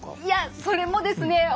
いやそれもですね